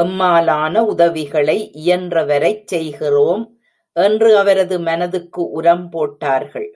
எம்மாலான உதவிகளை இயன்றவரைச் செய்கிறோம் என்று அவரது மனதுக்கு உரம் போட்டார்கள்.